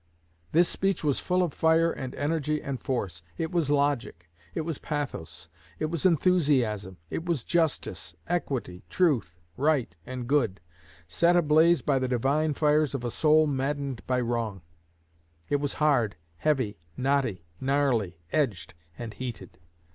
This speech was full of fire and energy and force; it was logic; it was pathos; it was enthusiasm; it was justice, equity, truth, right, and good, set ablaze by the divine fires of a soul maddened by wrong; it was hard, heavy, knotty, gnarly, edged, and heated.